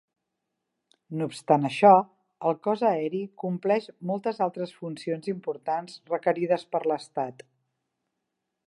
No obstant això, el Cos Aeri compleix moltes altres funcions importants requerides per l'Estat.